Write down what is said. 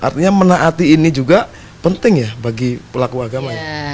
artinya menaati ini juga penting ya bagi pelaku agama ya